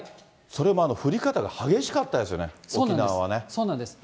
それも降り方が激しかったですよね、沖縄はね。